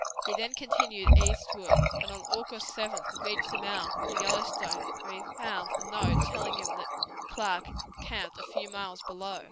He then continued eastward, and on August 7th reached the mouth of the Yellowstone, where he found a note telling him that Clark had camped a few miles below.